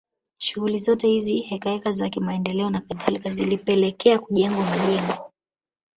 Shughuli zote hizi hekaheka za kimaendeleo na kadhalika zilipelekea kujengwa majengo